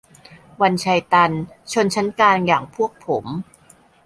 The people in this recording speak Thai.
วันชัย ตัน : ชนชั้นกลางอย่างพวกผม